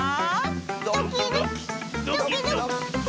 ドキドキドキドキ。